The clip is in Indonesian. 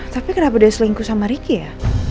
tapi kenapa dia selingkuh sama ricky ya